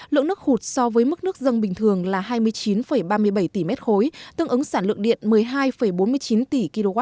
lượng nước hụt so với mức nước dân bình thường là hai mươi chín ba mươi bảy tỷ m ba tương ứng sản lượng điện một mươi hai bốn mươi chín tỷ kwh